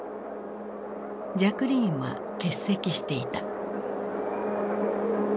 ジャクリーンは欠席していた。